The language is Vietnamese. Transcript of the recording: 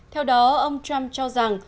theo đó ông trump cho rằng